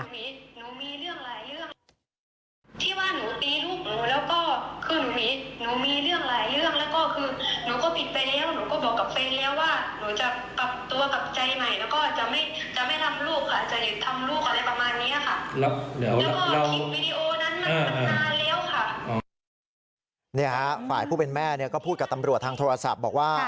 แล้วก็คลิปวีดีโอนั้นมันนานแล้วค่ะเนี้ยฮะฝ่ายผู้เป็นแม่เนี้ยก็พูดกับตำรวจทางโทรศัพท์บอกว่า